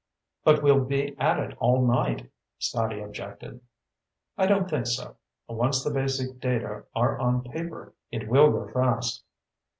"But we'll be at it all night," Scotty objected. "I don't think so. Once the basic data are on paper, it will go fast.